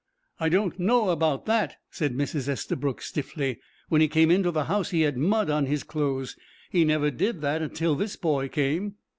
"I don't know about that," said Mrs. Estabrook, stiffly. "When he came into the house he had mud on his clothes. He never did that till this boy came."